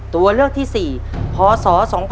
ตัวเลือกที่๔พศ๒๕๖